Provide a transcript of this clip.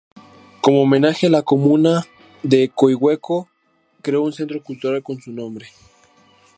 Como homenaje, la comuna de Coihueco creó un centro cultural con su nombre.